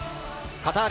カタール